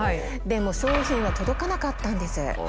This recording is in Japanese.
でも商品は届かなかったんです。